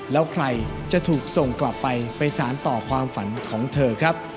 แล้วใครจะถูกส่งกลับไปไปสารต่อความฝันของเธอครับ